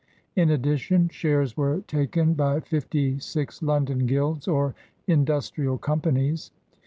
Li addition shares were taken by fifty six London guilds or industrial companies.